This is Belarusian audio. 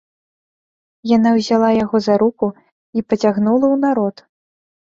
Яна ўзяла яго за руку і пацягнула ў народ.